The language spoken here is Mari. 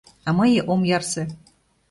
А мые ом ярсе.